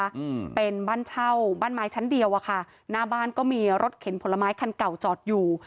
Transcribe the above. อืมเป็นบ้านเช่าบ้านไม้ชั้นเดียวอ่ะค่ะหน้าบ้านก็มีรถเข็นผลไม้คันเก่าจอดอยู่